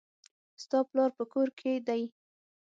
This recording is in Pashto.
ستا پلار په کور کښي دئ.